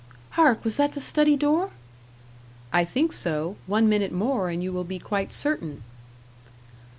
"Hark! was that the study door?" "I think so; one minute more and you will be quite certain."